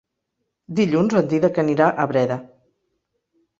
Dilluns en Dídac anirà a Breda.